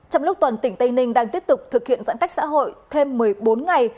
trong lúc toàn tỉnh tây ninh đang tiếp tục thực hiện giãn cách xã hội thêm một mươi bốn ngày